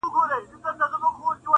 په لسګونو موږکان دلته اوسېږي,